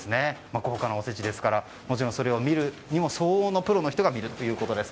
豪華なおせちですからもちろん、それを見るにも相応のプロの人が見るということです。